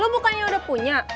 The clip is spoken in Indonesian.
lo bukannya udah punya